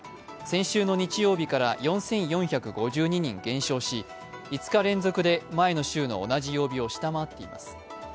先週の日曜日から４４５２人減少し５日連続で前の週の同じ曜日を下回っています。